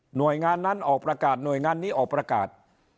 หน่วยงานนั้นออกประกาศหน่วยงานนี้ออกประกาศ